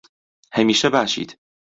هەمیشە باشیت.